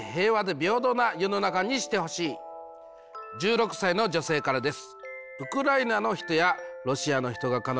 １６歳の女性からです。